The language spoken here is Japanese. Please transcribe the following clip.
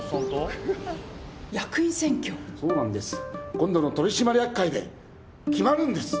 今度の取締役会で決まるんです！